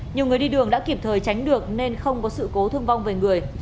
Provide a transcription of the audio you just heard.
nhiều người đi đường đã kịp thời tránh được nên không có sự cố thương vong về người